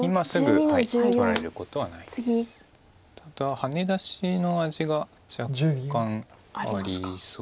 ただハネ出しの味が若干ありそうです。